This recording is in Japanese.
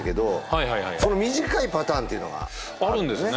はいはいこの短いパターンっていうのがあるんですね